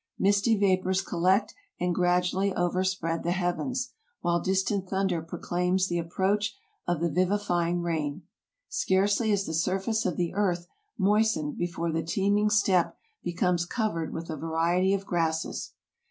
Misty vapors collect and gradually over spread the heavens, while distant thunder proclaims the ap proach of the vivifying rain. Scarcely is the surface of the earth moistened before the teeming steppe becomes covered 176 TRAVELERS AND EXPLORERS with a variety of grasses.